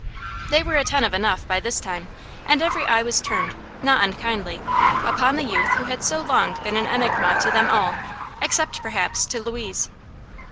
They were attentive enough, by this time, and every eye was turned, not unkindly, upon the youth who had so long been an enigma to them all except, perhaps, to Louise.